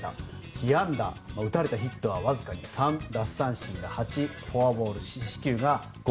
被安打打たれたヒットはわずかに３奪三振が８フォアボール、四死球が５